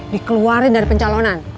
dikeluarin dari pencalonan